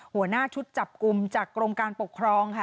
หัวหน้าชุดจับกลุ่มจากกรมการปกครองค่ะ